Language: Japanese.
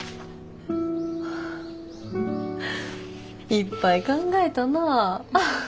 いっぱい考えたなぁ。